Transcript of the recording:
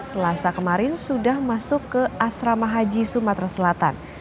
selasa kemarin sudah masuk ke asrama haji sumatera selatan